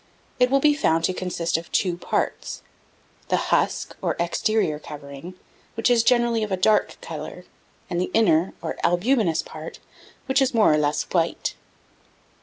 it will be found to consist of two parts, the husk, or exterior covering, which is generally of a dark colour, and the inner, or albuminous part, which is more or less white.